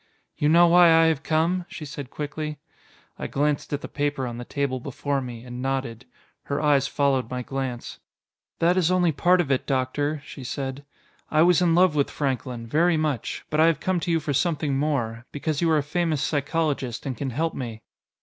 "You know why I have come?" she said quickly. I glanced at the paper on the table before me, and nodded. Her eyes followed my glance. "That is only part of it, Doctor," she said. "I was in love with Franklin very much but I have come to you for something more. Because you are a famous psychologist, and can help me."